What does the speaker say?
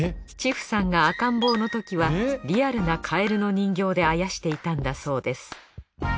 布さんが赤ん坊のときはリアルなカエルの人形であやしていたんだそうです。